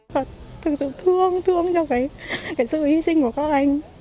thật sự thương thương cho cái sự hy sinh của các anh